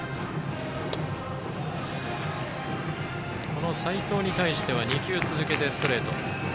この齋藤に対しては２球続けてストレート。